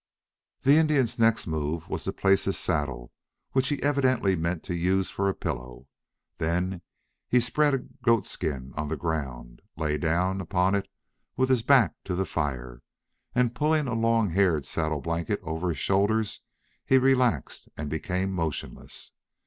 The Indian's next move was to place his saddle, which he evidently meant to use for a pillow. Then he spread a goat skin on the ground, lay down upon it, with his back to the fire, and, pulling a long haired saddle blanket over his shoulders, he relaxed and became motionless.